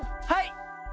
はい！